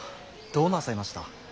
どうなさいました。